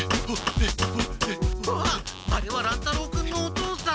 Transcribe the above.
あっあれは乱太郎君のお父さん！